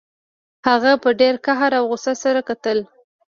هغه په ډیر قهر او غوسه سره کتل